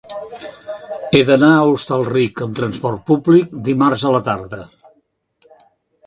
He d'anar a Hostalric amb trasport públic dimarts a la tarda.